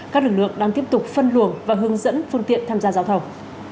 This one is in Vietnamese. các lực lượng đang tiếp tục phân luồng và hướng dẫn phương tiện tham gia giao thông